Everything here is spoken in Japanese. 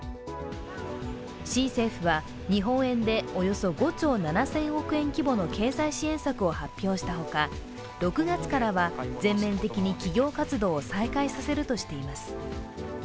市政府は日本円でおよそ５兆７０００億円規模の経済支援策を発表したほか６月からは全面的に企業活動を再開させるとしています。